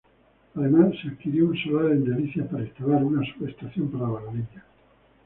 Además se adquirió un solar en Delicias para instalar una subestación para la línea.